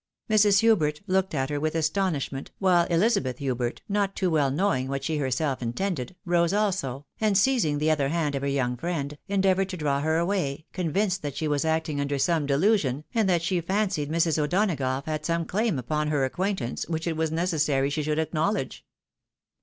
Mrs. Hubert looked at her with astonishment, while Ehza beth Hubert, not too well knowing what she herself intended, rose also, and seizing the other hand of her young friend, en deavoured to draw her away, convinced that she was acting under some delusion, and that she fancied Mrs. O'Donagough had some claim upon her acquaintance which it was necessary she should acknowledge.